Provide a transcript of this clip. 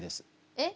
えっ？